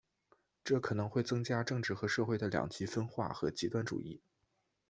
这可能会增加政治和社会的两极分化和极端主义。